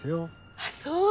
あっそう！